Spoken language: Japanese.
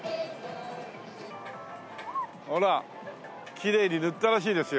ほらきれいに塗ったらしいですよ。